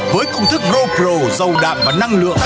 với công thức gopro dầu đạp và năng lượng